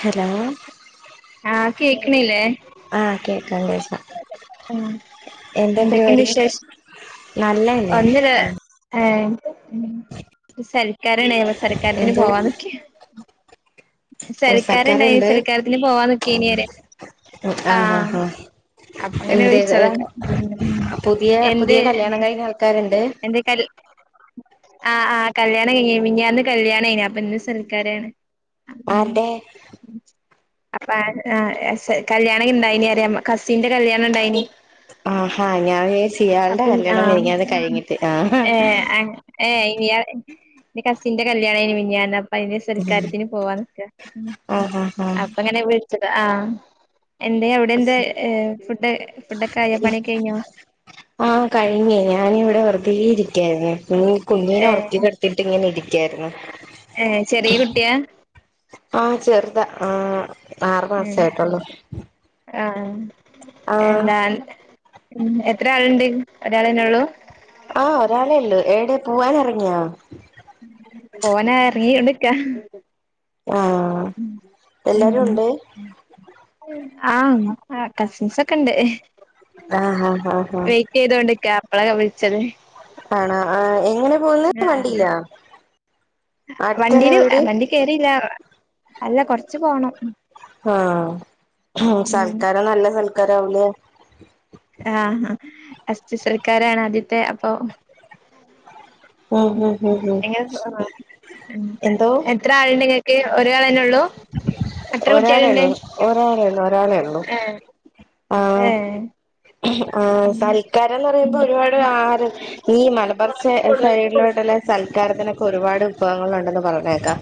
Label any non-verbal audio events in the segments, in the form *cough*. Hello ആഹ് കേക്കണില്ലേ ആഹ് കേക്കാം കേക്കാം ഉം എന്താ എന്തൊക്കെയുണ്ട് പരിപാടി വിശേഷ് നല്ലതന്നെ വന്നില്ല ഉം. ഏഹ് ഉം സൽ സൽക്കാരാണ് ഞങ്ങള് സരക്കാരത്തിന് എന്തോ പോവാൻ നിക്കെയാ സൽക്കാരം ഉണ്ടായി സർക്കാരുണ്ട് സൽക്കാരത്തിന് പോവാൻ നിൽക്കെയാണ് ആഹ് അപ്പം ഇങ്ങനെ എന്ത് വിളിച്ചതാണ് ഉം ഉം പുതിയ എന്ത് പുതിയ കല്യാണം കഴിഞ്ഞ ആൾക്കാരുണ്ട് എന്തേക്കൽ ആഹ് ആഹ് കല്യാണം കഴിഞ്ഞ് മിനഞ്ഞാന്ന് കല്യാണം കഴിഞ്ഞ് അപ്പൊ ഇന്ന് സൽക്കാരാണ് അതെ അപ്പം ആ സ കല്യാണം ഇണ്ടായിനി അറിയാം കസിന്റെ കല്യാണം ഇണ്ടായിനി ആഹ് ഹാ ഞാൻ വിചാരിച്ചു ഇയ്യാളുടെ അപ്പൊ കല്യാണം മെനഞ്ഞാന്ന് ആഹ് കഴിഞ്ഞിട്ട് ആഹ് ഹാ ഇയാ ന്റെ കസിന്റെ കല്ല്യാണേനു മിഞ്ഞാന്ന് അ പ്പയിന് സൽക്കാരത്തിന് പോവാൻ ന്ക്കാ ഉം ആഹ് ആഹ് അപ്പങ്ങനെ വിൾ ചത് ആ എന്തേ അവിടെ എന്തേ ഏ ഫുഡ് ഫുഡ് ഒക്കെ ആയോ പണിയൊക്കഴിഞ്ഞോ ആ കഴിഞ്ഞേ ഞാനിവടെ വെറുതേ ഇരിക്കായിരുന്നു ഉം കുഞ്ഞിനെ ഏ ഒറക്കി കെടത്തിട്ട് ഇങ്ങനെ ഇരിക്കായിരുന്നു. ഏ ചെറിയ കുട്ടിയാ ആ ചെറുതാ ആ ആറു മാസെ ആയിട്ടുള്ളൂ ആഹ് ആഹ് എന്താ ഉം എത്ര ആള്ണ്ട്? ഒരാളെന്നൊള്ളൂ. ആ ഒരാളെ ഉള്ളു എടെ പോവാനെറങ്ങിയോ? പോവാനെർങ്ങിയോണ്ട്ക്കാ. ആഹ് ഉം എല്ലാരുണ്ട്? ആ ആ കസിൻസ് ഒക്കെണ്ട് ആഹ് ആഹ് ആഹ് വെയ്റ്റെയ്തോണ്ട്ക്കാ. അപ്പളല്ലെ വിൾച്ചത്. ആണാ ആഹ് എങ്ങനെ പോവല്. വണ്ടീലൊ? അ വണ്ടീല് അ വണ്ടി കേറില്ല അല്ല കൊർച്ച് പോണം. ഉം ആഹ് ഉം സൽക്കാരം നല്ല സൽക്കാരാവുലെ. ആ അസ്റ്റ്സൽക്കാരാണ് ആദ്യത്തെ അപ്പൊ ഒഹൂ ഹോ ഹോ എങ്ങനെ എന്തോ? ക്കെ ഒരാളെന്ന ഒരാളേള്ളു ഒരാളേള്ളു ഒരാളേള്ളൂ ഏഹ് ആഹ് ഏഹ് ആഹ് സൽക്കാരന്ന് പറയുമ്പോ ഒരുപാട് ആഹാരം ഈ മലപ്പറച്ചേ സൈഡിലോട്ടുള്ള സൽക്കാരത്തിനൊക്കെ ഒരുപാട് ഭവങ്ങളുണ്ടന്ന് പറിണേക്കാ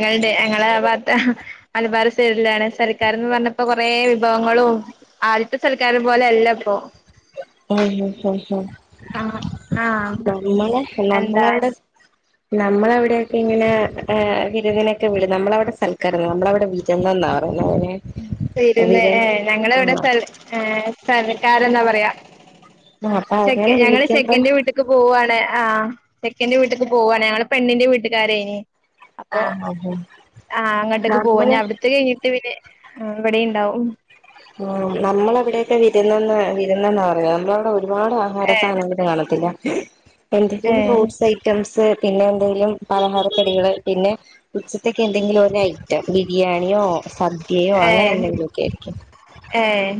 ങ്ങൾടെ ഞങ്ങളാബാത്താ മലബാറ് സൈഡിലാണ് സൽക്കാരന്ന് പറഞ്ഞ പ്പ കൊറേ വിഭവങ്ങളും ആദ്യത്തെസൽ കാരം പോലല്ലപ്പോ ഉം ഉം ഉം ഉം ആഹ് ആഹ് നമ്മളെ എന്താ നമ്മള്ടെ നമ്മളെ ഇവിടെക്കിങ്ങെനേ ഏഹ് വിരുന്നിനൊക്കെ വിടും നമ്മളവടെ സൽക്കാരന്ന് നമ്മളവടെ വിരുന്നാന്നാ പറയുന്നെങ്ങനെ തരുന്ന ഏ് ഞങ്ങള ഇവിടെ സ്ഥല ഏ സ്ഥലം ആരന്താ പറയാ ആഹ് അപ്പൊ അങ്ങനെ ചെക്ക ഞങ്ങള് വിളിക്കുമ്പോ ചെക്കന്റെ വീട്ടേക്ക് പോവുവാണെ ആ ചെക്കന്റെ വീട്ടിക്ക് പോകുവാണോ ഞങൾ പെണ്ണിന്റെ വീട്ടുകാരെ അപ്പൊ ആഹ് ആഹ് ആഹ അങ്ങോട്ടൊക്കെ പോവാ നമ്മള് അവിടത്ത കഴിഞ്ഞിട്ട് പിന്നെ ആ ഇവിടെണ്ടാവും ആ നമ്മളെവിടെക്കെ വിരുന്ന വിരുന്നെന്നാ പറയാ നമ്മളവിടെ ഒരുപാട് ആഹാര ഏഹ് സാധനങ്ങൾ കാണത്തില്ല ഉ എന്തെങ്കിലും ഏഹ് ഫ്രൂട്ട്സ് ഐറ്റംസ് പിന്നെ *unintelligible* ങ്കിലും പലഹാരക്കടികള് പിന്നെ ഉച്ചത്തേക്കെന്തകിലും ഒരു ഐറ്റം ബിരിയാണിയോ സദ്യയോ അങ്ങനെ എന്തെങ്കിലും ഒ ഏ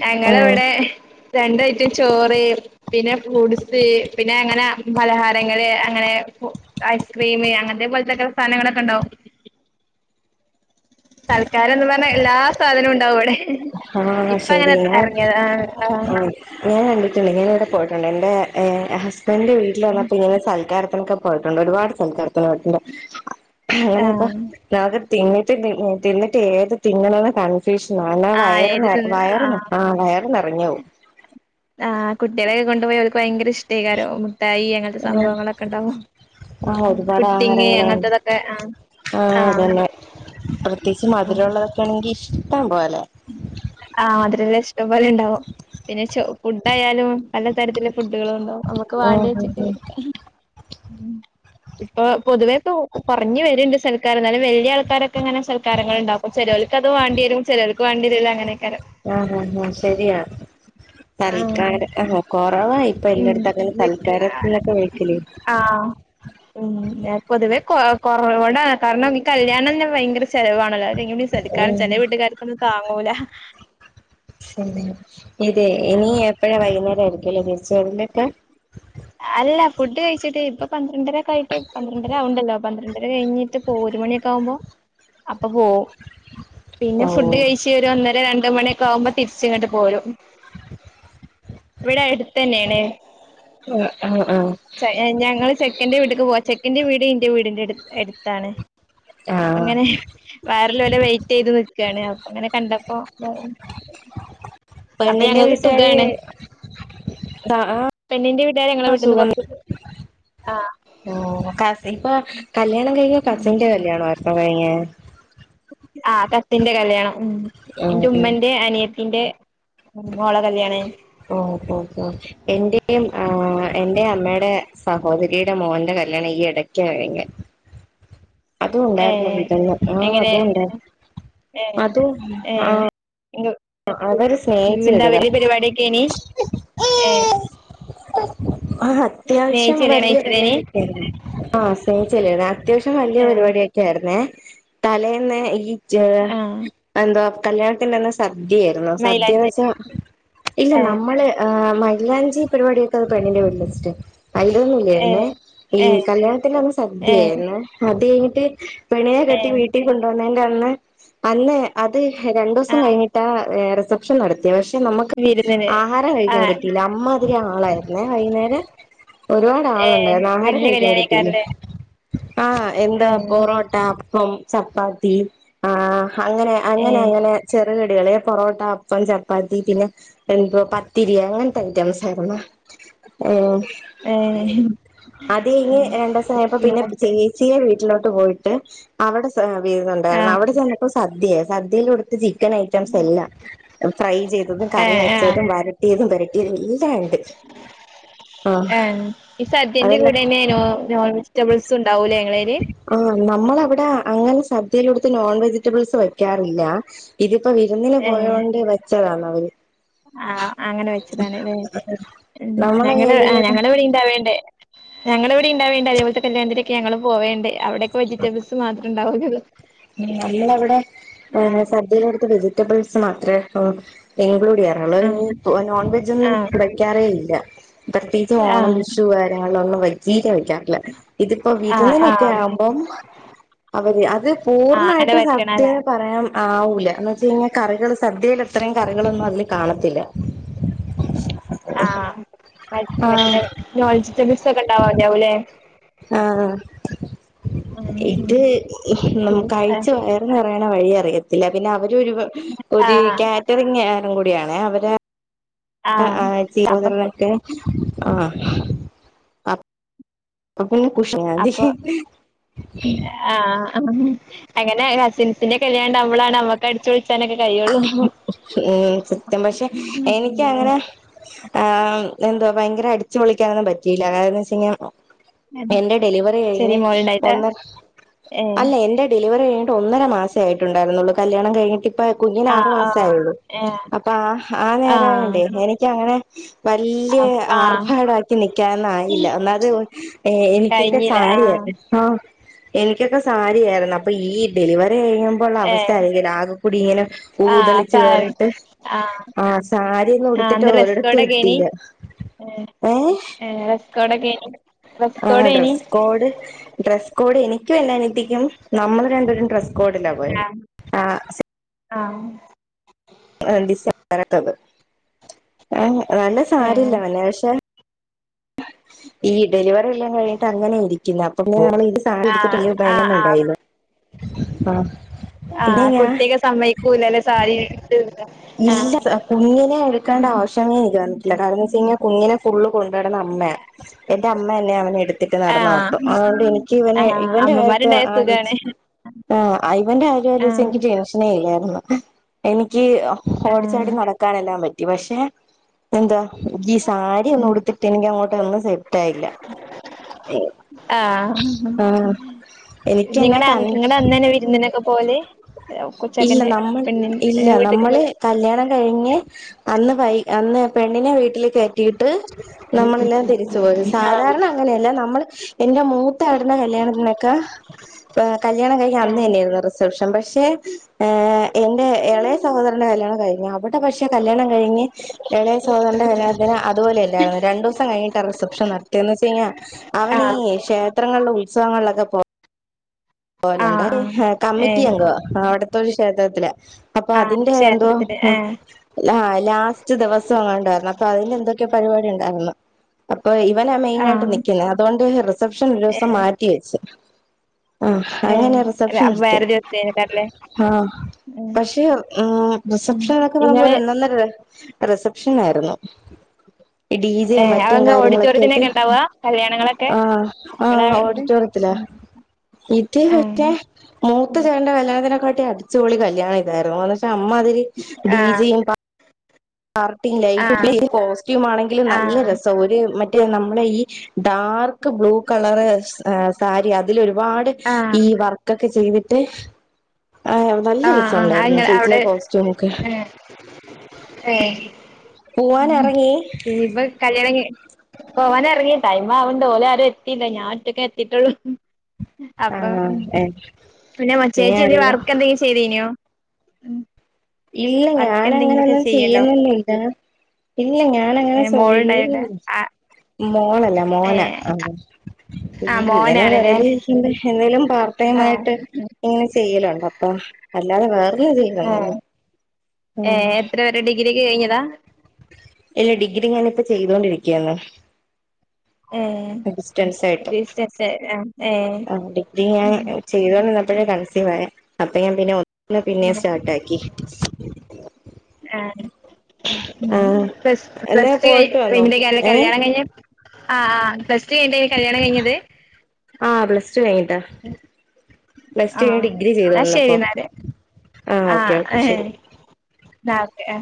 ഞങ്ങളവിടെ രണ്ടായിട്ടും ചോറ് പിന്നെ ഫ്രൂട്സ് പിന്നെ അങ്ങനെ പലഹാരങ്ങള് അങ്ങനെ ഐസ്ക്രീം അങ്ങനത്തെ പോലത്തെക്കെ സാധനങ്ങളൊക്കെ ഉണ്ടാവും തൽക്കാര എന്ന് പറ *unintelligible* എല്ലാ സാധനവും ഉണ്ടാവും അവിടെ ആഹ ശരി ഞ ആഹ് ആ ഞൻണ്ട ണ്ട് ഞാനിവിടെ പോയിട്ടുണ്ട് എന്റെ ഹസ് എന്റെ വീട്ടില വന്നാ ആഹ് പിന്നെ സൽക്കാരം ക്കെ പോയിട്ടിട് ഒരുപാട് സൽക്കാരത്തിന് പോയിട്ട്ണ്ട് അങ്ങനെപ്പ ആഹ് നഗ തിന്നിട്ട് തിന്നിട്ട് എന്നിട്ട് ഏത് തിന്നണെന്ന് കൺഫ്യൂഷൻ ആ വയ ആഹ് വയറു ഏത് നിറ തിന്ന് വയറു നീ ആഹ് *unintelligible* നിറഞ്ഞു ആഹ് കുട്ടികളെക്കെ കൊണ്ടുപോയി അവർക്ക് ഭയങ്കര ഇഷ്ടം ഷീകാര മുത്തായി അങ്ങനത്തെ പോവും സംഭവങ്ങളൊക്കെ ഉണ്ടാവും ആഹ് ഒരുപാട് പുട്ടിങ്ങ ആഹാരങ്ങള് അങ്ങനത്തതൊക്കെ ആ ആ ആഹ് അതന്നെ ത ആഹ് *unintelligible* ഇഷ്ടംപലെ ഉണ്ടാവും പിന്നെ ചു ഫുഡായാലും പലതരത്തിലും ഫുഡുകൾ ഉണ്ടാവും നമുക്ക് ഉം വേണ്ടി ഉം വെച്ചിട്ട് ഉം ഉം ഇപ്പൊ പൊതുവേക്കെ കൊർഞ്ഞ് വെര്ണ്ട് സൽക്കാരം ന്നാലും വെല്ല്യാൾക്കാരൊക്കെ ങ്ങനെ സൽക്കാരങ്ങള്ണ്ടാക്കും ചേലോല്ക്കത് വാണ്ട്യെരും ചെലോല് വാണ്ട്യെ രൂല അങ്ങനെ ആഹ് ഹാ ഹാ ശെരിയാ ആഹ് പറീക്കാരം അഹാ കോ ഉം വിളിക്കല് *unintelligible* ആഹ് ഉം ന പൊതുവേ കൊ കൊ കൊറോണ കാരണം ഈ കല്യാണംന്നെ ഭയങ്കര ചെലവാണല്ലോ അല്ലെങ്കിലും ഈ സതിക്കാരം ഉം ചെല വീട്ടുകാർക്കൊന്നും താങ്ങൂല. ശരി ഇതെ ഇനി ഉം എപ്പഴാ വൈകുന്നേരം ആയിരി ഇല *unintelligible* ച്ചരിലൊക്കെ അല്ല ഫുഡ് കഴിച്ചിട്ട് ഇപ്പ പന്ത്രണ്ടരൊക്കെ ആയിട്ട് പന്ത്രണ്ടര ആവണ്ടല്ലോ പന്ത്രണ്ടര കഴിഞ്ഞിട്ട് പോ രു മണിയൊക്കെ ആവുമ്പോ അപ്പൊ പോകും പിന്നെ ഫുഡ് ആഹ് കഴിച്ച് ഒരു ഒന്നര രണ്ട് മണിയൊക്കെ ആകുമ്പം തിരിച്ച് ഇങ്ങട്ട് പോരും. ഇവിടെ അടുത്ത് തന്നെയാണ് ആഹ് ആഹ് ഞങ്ങൾ ചെക്കന്റെ വീട്ട്ക്ക് പോവാ ചെക്കന്റെ വീട് ഇന്റെ വീടിന്റെ അടുത്ത് അടുത്താണ് അപ്പ ആഹ് ഇങ്ങനെ കാറില് ഓലെ വെയ്റ്റ് എയ്ത് നി ചെനെ അപ്പ അങ്ങനെ കണ്ടപ്പോ *unintelligible* പെണ്ണിന്റെ ഞങ്ങൾക്ക് വീട്ടുകാാര് സുഖാണ് അഹ് ആഹ് നിന്റെ വി ഇത നിങ്ങളെ വീട്ടിൽ നിന്ന് കുറച്ച് ആഹ് *unintelligible* കാസി പ്പൊ കല്യാണം കഴിഞ്ഞ കസിന്റെ കല്യാണം ആയിരുന്നോ ഇപ്പോ കഴിഞ്ഞെ? ആഹ് കസിന്റെ കല്യാണം ഉം ഉം എന്റെ ഉം ഉമ്മന്റെ അനിയത്തിന്റെ മോളെ കല്യാണനു ഓ ഓ ഓ എന്റെയും ആ എന്റെ അമ്മയുടെ സഹോദരിയുടെ മോന്റെ കല്യാണം ഈ ഇടയ്ക്ക കഴിഞ്ഞെ അതും ഏ ഉണ്ടായിരുന്നു വിജയം. ആഹ് എങ്ങനെ അതുംണ്ടായി ഏ അത് ഏ ആ ഇങ്ങ അവര് സ്നേഹിച്ചു എന്താ കെട്ടിയതാ, വലിയ പരിപാടിയൊക്കെനി ഏ ആ അത്യാവശ്യം സ്നേഹിച്ച് കല്യാണം വലിയ കഴിച്ചതേനി പരിപാടി ഒക്കെ ആയിരുന്നു. ആഹ് സ്നേഹിച്ചു കല്യാണവ അത്യാവശ്യം വല്യ ഏ പരിപാടിയൊക്കെ ആയിരുന്നെ തലേന്ന് ഈ ച ആ എന്താ കല്യാണത്തിന്റന്ന സ് സദ്യയായിരുന്നു സദ്യന്ന് മൈലാഞ്ചി വെച്ചാൽ ഇല്ല ഏ നമ്മള് മൈലാഞ്ചി പരിപാടിയൊക്കെ പെണ്ണിന്റെ വീട്ടിൽ സ്റ്റെ ഏ അയിലൊന്നുല്ലെരുന്നു. ഈ ഏ കല്യാണത്തിന്റന്ന് ഏ സദ്യയായിരുന്നു. അത്‌ *unintelligible* പെണ്ണിനെ ഏ കെട്ടി വീട്ടി കൊണ്ടോ ന്നന്റന്ന് അന്ന് അത് എഹ് ആ രണ്ടൂസം കഴിഞ് ഹേ റിസപ്ഷൻ നടത്തിയ *unintelligible* പക്ഷെ നമക്ക് വിരുന്നിന് ആഹാരം ആ കഴിക്കാൻ വരെ കിട്ടില്ല അമ്മാതിരി ആളായിരുന്നു വൈന്നേരം ഒരുപാട് ഏ ആള്ണ്ടായിരുന്നു ആഹാരം വല്യ കഴിക്കാൻ കല്യാണേക്കാരല്ലേ *unintelligible* ആഹ് എന്താ പോറോട്ട, അപ്പം ചപ്പാത്തി ആഹ് അങ്ങനെ ഏ അങ്ങനെ അങ്ങനെ ചെറിയ എളയ പൊറോട്ട, അപ്പം, ചപ്പാത്തി, പിന്നെ എ പത്തിരി, അങ്ങനെ ഐറ്റംസായിരുന്നോ ഹ് ഏ അത് ഇ രണ്ട്സം കഴിഞ്ഞപ്പോ പിന്നെ ഏ ചേച്ചിയെ വീട്ട്ലാ പോയിട്ട് അവിടെ സ *unintelligible* ണ്ടായിരുന്നു ആഹ് അവിടെ ചെന്നപ്പോ സദ്യെ സദ്യം കൊടുത്ത് ചിക്കൻ റ്റംസ് എല്ല ഫ്രൈ ചെയ്തതും കറി ഏഹ് ഏഹ് വെച്ചതും വരട്ടിയതും വരട്ടിയതും എല്ലാംണ്ട് ആഹ് ഏഹ് ഈ സദ്യന്റെ അതെല്ലാ കൂടെന്നെ നോ നോൺ വെജിറ്റബിൾസും ഉണ്ടാവൂലേ ഇങ്ങളേല് ആഹ് നമ്മളവ്ടാ അങ്ങനെ സദ്യയിലെട്ത്ത് നോൺ വെജിറ്റബിൾസ് വ കാറില്ല ഇത് ഇപ്പൊ വിരുന്നില് ഏഹ് പോയാണ്ട് വെച്ച് ച്ചരാണ് അവര്- ആഹ് അങ്ങനെ വെച്ചതാണ് ഇല്ലേ മ് നമ്മളെ ഞങ്ങടെ ഞങ്ങള- ഏരിയയിലോട്ട് ഞങ്ങടെവിടെണ്ടാവേണ്ട് അതേപോലത്തെ കല്യാണത്തിന് ഞങ്ങള് പോവേണ്ട്- അവിടെക്കെ വെജിറ്റബിസ് മാത്ര ഉണ്ടാകലുള്ളു- നമ്മളവിടെ ആഹ് സദ്യയിലടുത്ത് വെജി റ്റബ്ൾസ് മാത്രേ ഒള്ളു- ഇൻക്ലൂഡ് ചെയ്യാറുള്ളോ ഇനി ആഹ് നോൺ വെജൊന്നും ആഹ് വെക്കാറേ ഇല്ല- പ്രത്യേകിച്ച് ഓണം ആഹ് വിഷു കാര്യങ്ങളിലൊന്നും- വൈച്ചീര വെക്കാറില്ല- ഇതിപ്പോ ആഹ് വിരുന്നിനൊക്കെ ആഹ് ആകുമ്പം അവര് അത്- ആഹ് അങ്ങനെ പൂർണ്ണായിട്ട് സദ്യ വെക്കണല്ലേ പറയാൻ ആവൂല എന്ന് വെച്ച കഴിഞ്ഞാൽ കറികള് സദ്യ ടത്രയും കറികളൊന്നും അതില് കാണത്തില്ല- ആഹ്- ആഹ് *unintelligible* നോൺസ്റ്റബിൾസ് ക്കെ ഒണ്ടാവാവില്ലേ? ആഹ് ഉം ഇത് നമ് ഉം കഴിച്ച വയറ് നെറയണ വഴി അറിയത്തില്ല പിന്നെ അവര് ഒരു ആഹ് കാറ്ററിംഗാ- രുംകൂടിയാണെ അവര്- ആഹ് അപ്പൊ ആഹ് *unintelligible* ആഹ് അ അപ്പ പിന്നെ അപ്പൊ *unintelligible* ആഹ് ആഹ് അങ്ങനെ കസിൻസിന്റെ കല്യാണം നമ്മളാണ് നമ്മക്ക് അടിച്ച്പൊളി മ്മ് സത്യം പഷേ എനിക്ക് അങ്ങനെ ആഹ് എന്തോ ഭയങ്കര അടിച്ചു പൊളിക്കാനൊന്നും പറ്റില്ല കാരണം വെച്ച് കഴിഞ്ഞാ എന്റെ ഡെലിവറി ചെറിയ കഴിഞ്ഞ് മോളുണ്ടായിട്ടാ ഒന്നര ഏഹ് അല്ല എൻ്റെ ഡെലി ലിവറി കഴി ട്ട് ഒന്നര മാസെ ആയിട്ടോണ്ടാരുന്നോള്ളു കല്യാണം കഴിഞ്ഞിട്ട് ഇ പ്പോ കുഞ്ഞിന് ആഹ് ആറുമാസെ ആഹ് ആയൊള്ളു ഏഹ് അപ്പ ആഹ് ആ നേരം ആഹ് ആയോണ്ടേ എനിക്ക് അങ്ങനെ വല്യ അപ്പ ആഹ് ആർഭാടമാക്കി നിക്കാനൊന്നും ആയില്ല ഒന്നാമത് എനിക്കൊക്കെ കഴിഞ്ഞില്ല സാരി ആഹ് ആയിരുന്നെ ആഹ് എനിക്കൊക്കെ സാരി യായിരുന്നു അപ്പോ ഈ ഡെലിവറി കഴിയമ്പ ഒള്ള അവസ്ഥ ഏഹ് അറി *unintelligible* ആക കൂടി ഇങ്ങനെ ആഹ് ഊതളിച്ചു സാര കേറിട്ട് ആഹ് സാരി ഒന്നും ആഹ് ഉടുത്തിട്ട് അന്ന് ഡ്രസ്സ് ഒരടത്തും കോഡൊക്കേനി എത്തീല്ല ഏഹ് ഡ്രസ്സ് കോഡൊക്കേനി ഡ്രസ്സ് ആഹ് കോഡേനി ഡ്രസ്സ് കോഡ് ഡ്രസ്സ് കോഡ് എനിക്കും എൻ്റെ അനിയത്തി ക്കും നമ്മള് രണ്ട് പേരും ഡ്രസ്സ് കോഡിലാ പോയത് ആഹ് ആഹ് ആഹ് ആഹ് ഡിസൈൻ വരാത്തത് ഏഹ് നല്ല ഏഹ് സാരിയെല്ലാം തന്നെ പക്ഷെ ഈ ഡെലിവറിയെല്ലാം കഴിഞ്ഞിട്ട് അങ്ങനെ ഇരിക്കുന്നെ അപ്പം പിന്നെ നമ്മള് ഈ സാരി ഉടുത്തിട്ട് ആഹ് ആഹ് ആഹ് *unintelligible* ആഹ് പിന്നെ ആഹ് ഞാൻ കുട്ടിയൊക്കെ സമ്മയിക്കൂലല്ലേ സാരി ഇട്ട് ഇല്ല കുഞ്ഞിനെ എടുക്കേണ്ട ആവശ്യമേ എനിക്ക് വന്നിട്ടില്ല കാരണം വെച്ച് ആഹ് കഴിഞ്ഞാൽ കുഞ്ഞിനെ ഫുള്ള് കൊണ്ട് നടന്നത് എന്റെ അമ്മ തന്നെ അവനെ എടുത്തിട്ട് നടന്നെ മൊത്തം ആഹ് അതുകൊണ്ട് എനിക്ക് ഇവനെ ആഹ് ഇവന്റെ കാര്യത്തെ അമ്മമാരുണ്ടായ സുഖാണ് ആലോചിച്ച് ആഹ് ഇവന്റെ കാര്യം ആലോചിച്ച് ആഹ് എനിക്ക് ടെൻഷനേ ഇല്ല എനിക്ക് എനിക്ക് ആഹ് ഓടിച്ചാടി നടക്കാനെല്ലാം പറ്റും ത്തി പഷെ എന്താ ഈ സാരി ഒന്ന് ഉം ഉടുത്തിട്ട് എനിക്കങ്ങോട്ടൊന്ന്‌ ട്ടായില്ല ആഹ് ആ എനിക്കന്നെ കണ്ട് പോല്? ഇല്ല നമ്മള് ഇല്ല വീട്ടക്ക് നമ്മള് പോവല് കല്യാണം കഴിഞ്ഞ് അന്ന് വൈ അന്ന്‌ പെൺ ണിനെ വീട്ടില് കേറ്റിട്ട് നമ്മളെല്ലാം തിരിച്ചു പോരും സാധാരണ അങ്ങനെയല്ല നമ്മള് എന്റെ മൂത്തേട്ടന്റെ കല്യാണത്തിനക്കെ കല്യാണം കഴിഞ്ഞ് അന്ന് ആഹ് തന്നെയായിരുന്നു റിസപ്ഷൻ. പഷെ ഏ എന്റെ എളയ സഹോദരന്റെ കല്യാണം കഴിഞ്ഞ പ്പ പഷെ കല്യാണം കഴിഞ്ഞ് എളയ സഹോദരന്റെ കല്യാണത്തിന് അതുപോലല്ലായിരുന്നു രണ്ടു ദിവസം കഴിഞ്ഞിട്ടാ റിസപ്ഷൻ നടത്തി ന്ന്‌ വെച്ച് കഴിഞ്ഞാ അവൻ ഈ ആഹ് ക്ഷേത്രങ്ങളിലെ ഉത്സവങ്ങളിലൊക്കെ പോ ആഹ് പോലോണ്ടേ ആഹ് കമ്മിറ്റി ഏഹ് അംഗവാ. *unintelligible* ക്ഷേത്രത്തിലേ. അപ്പ ആഹ് അതിന്റെ എന്തോ ക്ഷേത്രത്തില് ഏഹ് ആ ലാസ്റ്റ് ദിവസങ്ങണ്ടാരുന്നു അപ്പ അതിന്റെ എന്തൊക്കെയൊ പരിപാടി ഒണ്ടായിരുന്നു. ഇവനാ മെയിൻ ആയിട്ട് ആഹ് നിക്കുന്നെ അതുകൊണ്ട് റിസ് റിസപ്ഷൻ ഒരു ദിവസം ഏഹ് മാറ്റി വെച്ച്. ആ അങ്ങന ഏഹ് റിസപ്ഷൻ നടത്തിയെ വേറെ ദിവസേക്കാരല്ലേ ആ ഉം പക്ഷേ ഉം ഉം റിസപ്ഷൻ എന്നൊക്കെ പറുമ്പോ ഇങ്ങള് ഒരൊന്നൊന്നര രസ് റിസപ്ഷനായിരുന്നു. ഡി ജെ ഏഹ് മറ്റും അതങ്ങ് കാര്യങ്ങളൊക്കെയായിട്ട് ഓഡിറ്റോറിയത്തിനൊക്കെ ഉണ്ടാവാ കല്യാണങ്ങളൊക്കെ ആ ആ നിങ്ങളെ അവിടുന്ന് ഓഡിറ്റോറിയത്തില. ഇത് ആഹ് മറ്റേ മൂത്ത ചേട്ടന്റെ കല്യാണത്തിന ക്കാട്ടി അടിച്ച് പൊളി കല്യാണായിരുന്നു എറങ്ങൊന്നോയ്ച്ചാ അമ്മാതിരി ആഹ് ബീജയും പാ പാർട്ടി ലൈറ്റും ആഹ് പിന്നെ കോസ്റ്റ്യൂം ആണെങ്കിലും നല്ല ആഹ് രസാ ഓര് മ നമ്മടെ ഈ ഡാർക്ക് ബ്ലൂ കളറ് സാരി അതിലൊരുപാട് ആഹ് ഈ വർക്ക ക്കെ ചെയ്തിട്ട് ആ നല്ല ആഹ് ആഹ് രസൊണ്ടായിരുന്നു അത്ങ്ങൾ അവിടെ ചേച്ചിന്റെ കോസ്റ്റ്യൂമൊക്കെ. ഈപ കല്യാണം കഴി പോവാനെറങ്ങി ടൈം ആവണ്ട് ഓലെ ആരു എത്തിലാ ഞാൻ ഒറ്റക്ക എത്തിട്ടുള്ളു. ആ അപ്പ ഏ, പിന്നെ നീ മച്ചേച്ചി എന്തെകിലും ആരല്ല വർക്ക് എന്തങ്കി പിന്നെയോ ഉം ഇല്ല ഞാനങ്ങനൊന്നും ചെയ്യുന്നൊന്നുല്ല ഇല്ല ഞാനങ്ങനെ ഏഹ് മോളുണ്ടായോണ്ട് ആഹ് *unintelligible* മോളല്ല മോന ഏഹ് അതെ ആഹ് ഇങ്ങനെ മോനാണ്ല്ലേ വെറുതെ എന്തേലും ആഹ് പാർടൈമായിട്ട് ഇങ്ങനെ ചെയ്യലുണ്ട് അപ്പൊ അല്ലാതെ വേറൊന്നും ചെയ്യില്ലല്ലോല്ലേ ഏ എത്ര വരെ ഡി ഗ്രിക്ക് കഴഞ്ഞതാ? ഇല്ല ഡിഗ്രി ഞാനിപ്പോ ചെയ്തൊണ്ടിരിക്കയന്ന് ഏഹ് ഡിസ്റ്റൻസായിട്ട് ബിസിനസ് ആഹ് ഏഹ് ആ ഡിഗ്രി ഞാൻ ചെയ്തോണ്ടിരുന്നപ്പോഴ കൺസീവായെ. അപ്പൊ ഞാൻ പിന്നെ ന്നെ പിന്നേം സ്റ്റാർട്ടാക്കി ആഹ് പ്ലസ് എന്നാ പ്ലസ് ടു പോയിട്ട് വന്നോ കഴിഞ്ഞ ഏ കല്യാണം കഴിഞ്ഞെ? *unintelligible* ആ ആ പ്ലസ് ടു കഴിഞ്ഞിട്ട കല്യാണം കഴിഞ്ഞത്? ച്ച കയിഞ്ഞിട്ട പ്ലസ് ടു കഴിഞ്ഞ് ആഹ് ഡിഗ്രി എന്നാ ചെയ്തോന്ന് ശരി റഞ്ഞപ്പൊ എന്നാല് ആ ഓക്കെ ഓക്കേ ശെരി ന്നാ ക്കെ